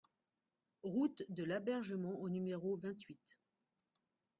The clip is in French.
Route de l'Abergement au numéro vingt-huit